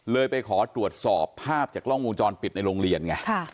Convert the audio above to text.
เลยไปขอตรวจสอบภาพจากร่องมูลจรปิดในโรงเรียนไง